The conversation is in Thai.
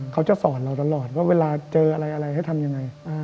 เขาจะสอนเราตลอดว่าเวลาเจออะไรอะไรให้ทำยังไง